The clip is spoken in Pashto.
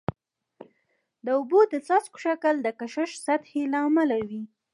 د اوبو د څاڅکو شکل د کشش سطحي له امله وي.